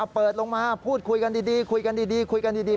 เปิดลงมาพูดคุยกันดีคุยกันดีคุยกันดี